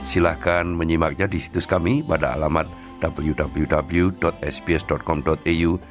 silahkan menyimaknya di situs kami pada alamat wwwww sbs com iu